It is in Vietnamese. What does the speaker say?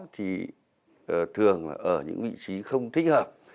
thường ở những vị trí không thích hợp